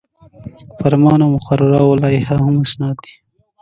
فرمان او مقرره او لایحه هم اسناد دي.